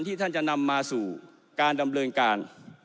ท่านจะนำมาสู่การดำเนินการ